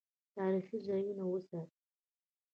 تاریخي ځایونه وساتئ